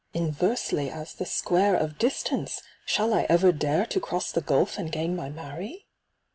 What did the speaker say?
inversely as the square Of distance ! shall I ever dare To cross the gulf, and gain my Mary